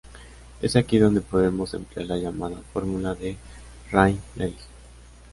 Es aquí donde podemos emplear la llamada Fórmula de Rayleigh.